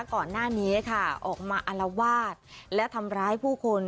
ก่อนหน้านี้ค่ะออกมาอารวาสและทำร้ายผู้คน